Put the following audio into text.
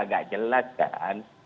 agak jelas kan